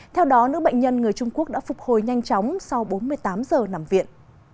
theo đó nữ bệnh nhân người trung quốc đã phục hồi nhanh chóng sau bốn mươi tám giờ nằm viện